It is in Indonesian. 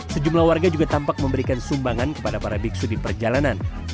sejumlah warga juga tampak memberikan sumbangan kepada para biksu di perjalanan